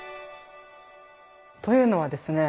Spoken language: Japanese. というのはですね